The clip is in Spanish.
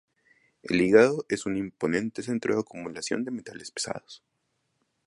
El hígado es un importante centro de acumulación de metales pesados.